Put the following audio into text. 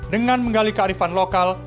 dengan menggali kearifan lokal